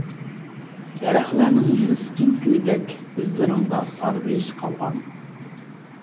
دەرەخلەرنىڭ مىسكىن كۈيىدەك، ئىزلىرىڭدا سارغىيىش قالغان.